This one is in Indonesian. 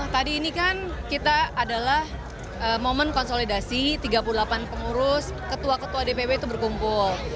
tadi ini kan kita adalah momen konsolidasi tiga puluh delapan pengurus ketua ketua dpw itu berkumpul